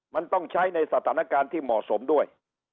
มันต้องใช้ในสถานการณ์ที่เหมาะสมด้วย